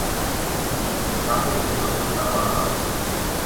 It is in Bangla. তাকে দ্রুত গ্রেপ্তার করা হয়।